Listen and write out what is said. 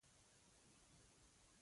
ته خو پوهېږې دباندې څومره ساړه دي.